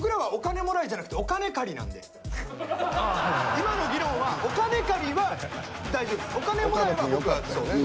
今の議論はお金借りは大丈夫です。